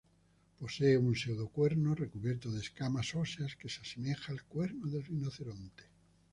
Posee un pseudo-cuerno recubierto de escamas óseas que se asemeja al cuerno del rinoceronte.